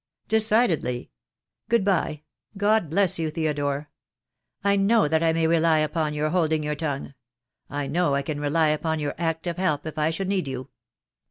"Decidedly! Good bye. God bless you, Theodore. I know that I may rely upon your holding your tongue. I know I can rely upon your active help if I should need you."